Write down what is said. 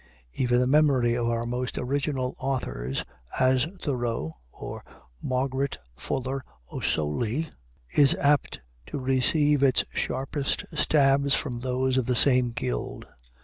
Even the memory of our most original authors, as Thoreau, or Margaret Fuller Ossoli, is apt to receive its sharpest stabs from those of the same guild.